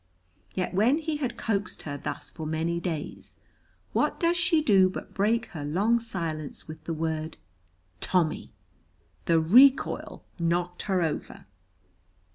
Yet when he had coaxed her thus for many days, what does she do but break her long silence with the word "Tommy!" The recoil knocked her over.